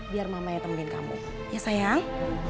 biar mama ya temenin kamu ya sayang